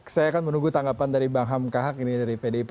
saya akan menunggu tanggapan dari bang ham kahak ini dari pdip